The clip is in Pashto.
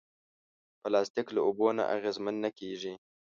پلاستيک له اوبو نه اغېزمن نه کېږي.